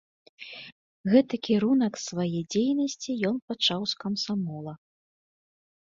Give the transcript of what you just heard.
Гэты кірунак свае дзейнасці ён пачаў з камсамола.